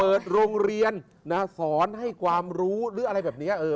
เปิดโรงเรียนนะสอนให้ความรู้หรืออะไรแบบนี้